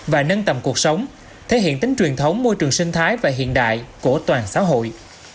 và nâng tầm cuộc sống thể hiện tính truyền thống môi trường sinh thái và hiện đại của toàn xã hội